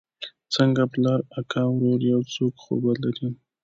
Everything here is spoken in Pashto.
څنگه پلار مور اکا ورور يو څوک خو به لرې.